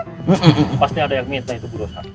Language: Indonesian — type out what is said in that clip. iya pasti ada yang minta itu bu rosa